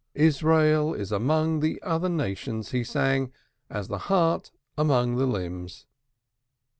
"Israel is among the other nations," he sang, "as the heart among the limbs."